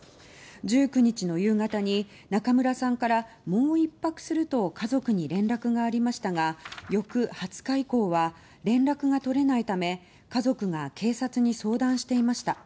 １９日の夕方に中村さんからもう１泊すると家族に連絡がありましたが翌２０日以降は連絡が取れないため家族が警察に相談していました。